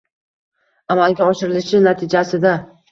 Amalga oshirilishi natijasida